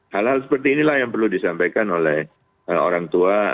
hal hal seperti inilah yang perlu disampaikan oleh orang orang yang berada di dalam kondisi ini